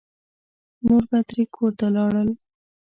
نور به ترې کور ته لاړل.